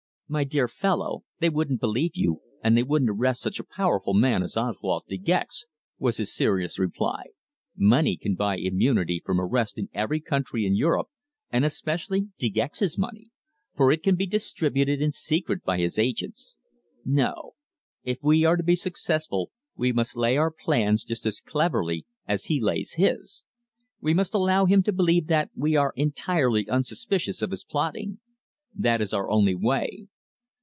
"My dear fellow, they wouldn't believe you, and they wouldn't arrest such a powerful man as Oswald De Gex," was his serious reply. "Money can buy immunity from arrest in every country in Europe, and especially De Gex's money, for it can be distributed in secret by his agents. No. If we are to be successful we must lay our plans just as cleverly as he lays his. We must allow him to believe that we are entirely unsuspicious of his plotting. That is our only way."